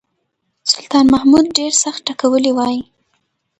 سلطان محمود ډېر سخت ټکولی وای.